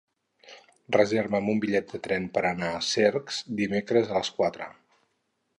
Reserva'm un bitllet de tren per anar a Cercs dimecres a les quatre.